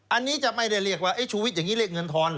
อันนี้จะไม่ได้เรียกว่าชูวิทย์อย่างนี้เรียกเงินทอน